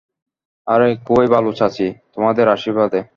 আরে খুবই ভালো চাচী, তোমাদের আশীর্বাদে।